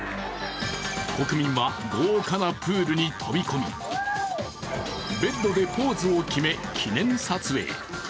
国民は豪華なプールに飛び込み、ベッドでポーズを決め記念撮影。